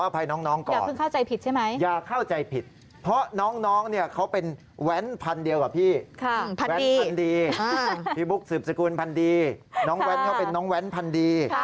พี่บุ๊คสืบสกุลพันดีน้องแว้นเขาเป็นน้องแว้นพันดี